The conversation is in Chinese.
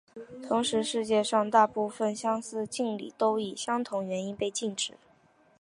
同时世界上大部份相似敬礼都以相同原因被禁止。